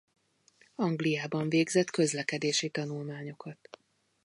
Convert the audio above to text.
Angliában végzett közlekedési tanulmányokat.